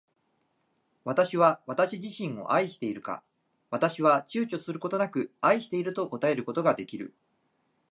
私は私自身を愛しているか。私は躊躇ちゅうちょすることなく愛していると答えることが出来る。